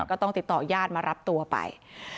ก็ต้องติดต่อญาติมารับตัวไป